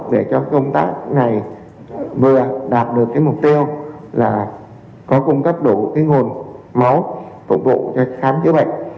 để cho công tác này vừa đạt được cái mục tiêu là có cung cấp đủ nguồn máu phục vụ cho khám chữa bệnh